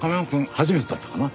初めてだったかな？